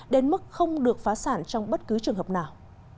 đến mức không được phá sản trong bất cứ trường hợp nào